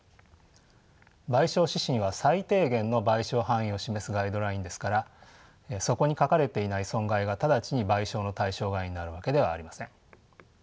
賠償指針は最低限の賠償範囲を示すガイドラインですからそこに書かれていない損害が直ちに賠償の対象外になるわけではありません。